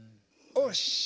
よし！